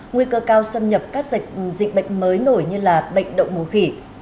nguy cơ cao xâm nhập các dịch bệnh mới nổi như là bệnh động mù khỉ